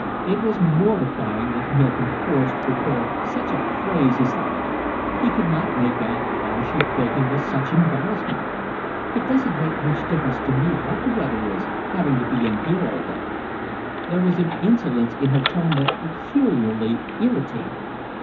It was mortifying that he had been forced to prepare such a phrase as that. He could not make out why she filled him with such embarrassment. "It don't make much difference to me what the weather is, having to be in here all day." There was an insolence in her tone that peculiarly irritated him.